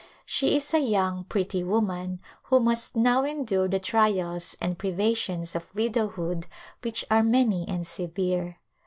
She is a young, pretty woman who must now endure the trials and privations of widowhood, which are many and severe.